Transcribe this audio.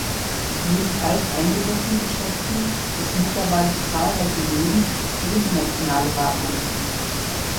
Neben alteingesessenen Geschäften gibt es mittlerweile zahlreiche Läden, die internationale Waren anbieten.